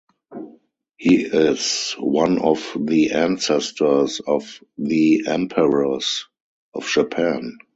He is one of the ancestors of the Emperors of Japan.